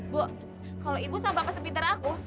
bu kalau ibu sama bapak sepiter aku